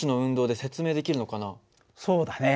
そうだね。